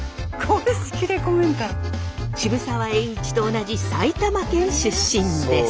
渋沢栄一と同じ埼玉県出身です。